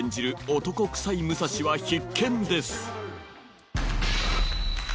男くさい武蔵は必見です